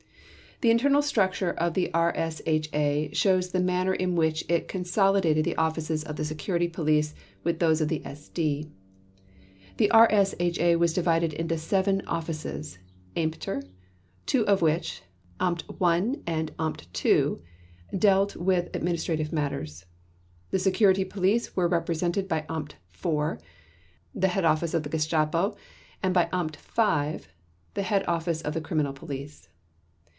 The internal structure of the RSHA shows the manner in which it consolidated the offices of the Security Police with those of the SD. The RSHA was divided into seven offices (Ämter), two of which (Amt I and Amt II) dealt with administrative matters. The Security Police were represented by Amt IV, the head office of the Gestapo, and by Amt V, the head office of the Criminal Police.